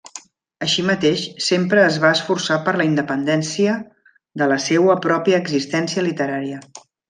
Així mateix, sempre es va esforçar per la independència de la seua pròpia existència literària.